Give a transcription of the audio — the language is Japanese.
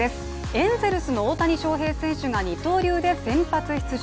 エンゼルスの大谷翔平選手が二刀流で先発出場。